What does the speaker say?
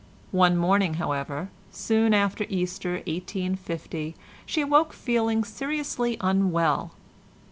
One morning, however, soon after Easter 1850, she awoke feeling seriously unwell.